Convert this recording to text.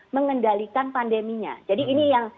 mengendalikan pandeminya jadi ini yang